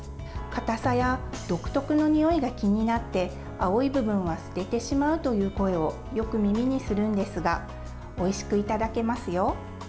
かたさや独特のにおいが気になって青い部分は捨ててしまうという声をよく耳にするんですがおいしくいただけますよ。